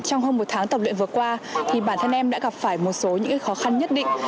trong hơn một tháng tập luyện vừa qua thì bản thân em đã gặp phải một số những khó khăn nhất định